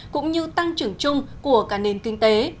cũng như tăng trưởng chung của cả nền kinh tế